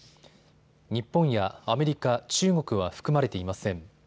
日本やアメリカ、中国は含まれていません。